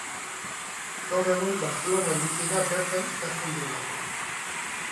Gaur egun Bartzelonan bizi da bertan ikasten duelako.